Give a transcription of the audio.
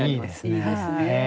いいですね。